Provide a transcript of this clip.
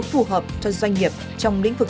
phù hợp cho doanh nghiệp trong lĩnh vực